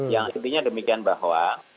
yang artinya demikian bahwa